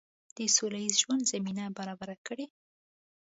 د سوله ییز ژوند زمینه برابره کړي.